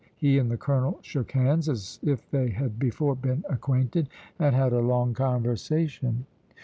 He and the colonel shook hands as if they had before been acquainted, and had a long conversation.